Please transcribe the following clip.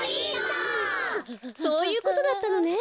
そういうことだったのね。